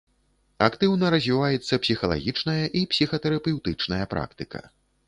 Актыўна развіваецца псіхалагічная і псіхатэрапеўтычная практыка.